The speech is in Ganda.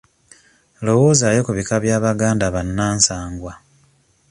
Lowoozaayo ku bika by'Abaganda bannansangwa.